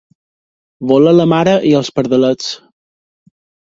Voler la mare i els pardalets.